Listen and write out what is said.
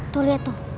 tuh liat tuh